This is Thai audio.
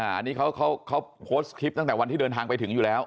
อันนี้เขาโพสต์คลิปตั้งแต่วันที่เดินทางไปถึงอยู่แล้ว